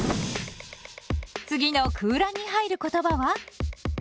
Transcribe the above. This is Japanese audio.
次の空欄に入る言葉は？